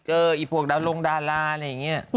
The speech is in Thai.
เออพวกน้องลงดาราอะไรอย่างนี้